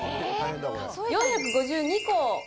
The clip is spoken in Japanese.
４５２個。